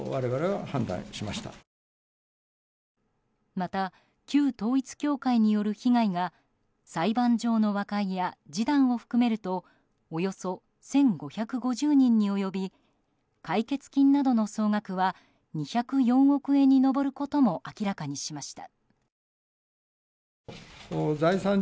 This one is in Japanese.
また、旧統一教会による被害が裁判上の和解や示談を含めるとおよそ１５５０人に及び解決金などの総額は２０４億円に上ることも明らかにしました。